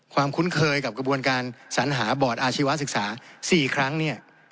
คุ้นเคยกับกระบวนการสัญหาบอร์ดอาชีวศึกษา๔ครั้งเนี่ย